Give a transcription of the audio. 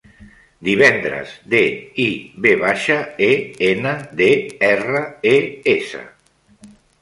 Divendres: de, i, ve baixa, e, ena, de, erra, e, essa.